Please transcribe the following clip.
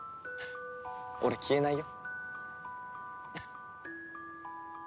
俺消えないよ。